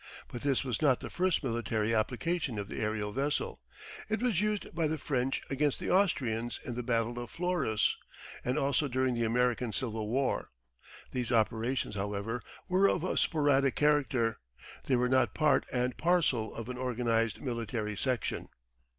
But this was not the first military application of the aerial vessel; it was used by the French against the Austrians in the battle of Fleurus, and also during the American Civil War. These operations, however, were of a sporadic character; they were not part and parcel of an organised military section.